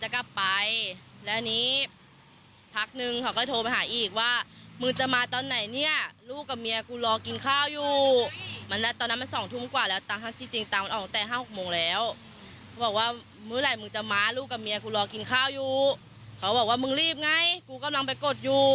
กินข้าวอยู่เขาบอกว่ามึงรีบไงกูกำลังไปกดอยู่